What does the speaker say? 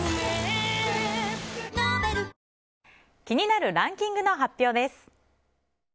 気になるランキングの発表です。